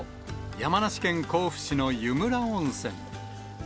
山梨県甲府市の湯村温泉。